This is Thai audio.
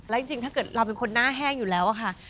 แล้วจริงถ้าเกิดเราเป็นคนหน้าแห้งอยู่แล้วอะค่ะ